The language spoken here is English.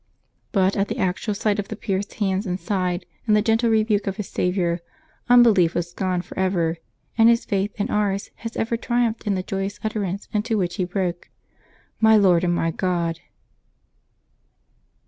But at the actual sight of the pierced hands and side, and the gentle rebuke of his Saviour, unbelief was gone forever; and his faith and ours has ever triumphed in the joyous utterance into which he broke :" My Lord and my God